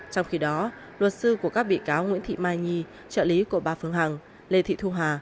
trong khi đó luật sư của các bị cáo nguyễn thị mai nhi trợ lý của bà phương hằng lê thị thu hà